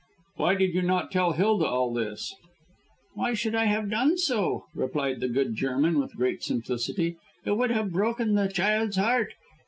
"Why did you not tell Hilda all this?" "Why should I have done so?" replied the good German, with great simplicity. "It would have broken the child's heart.